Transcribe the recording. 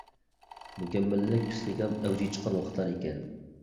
مۇكەممەللىك پىسخىكام ئەۋجىگە چىققان ۋاقىتلار ئىكەن.